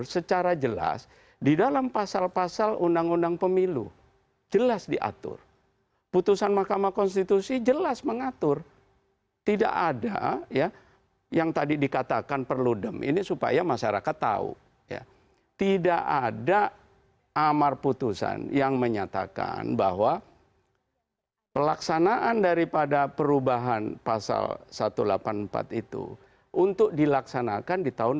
sebagai para ketau tidak ada amar putusan yang menyatakan bahwa pelaksanaan daripada perubahan pasal satu ratus delapan puluh empat itu untuk dilaksanakan di tahun dua ribu sembilan belas